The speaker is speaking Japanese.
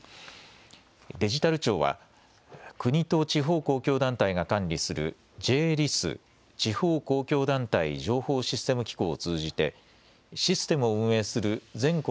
デジタル庁は国と地方公共団体が管理するＪ−ＬＩＳ・地方公共団体情報システム機構を通じてシステムを運営する全国